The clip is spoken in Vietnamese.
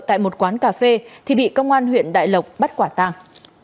tại một quán cà phê thì bị công an huyện đại lộc bắt quả tàng